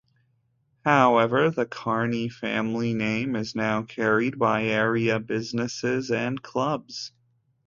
However, the Carney family name is now carried by area businesses and clubs.